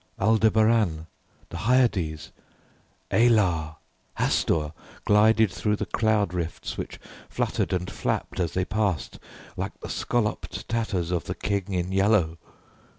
Aldebaran, the Hyades, Alar, Hastur, glided through the cloud rifts which fluttered and flapped as they passed like the scolloped tatters of the King in Yellow.